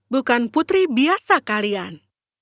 bukan putri biasa kalian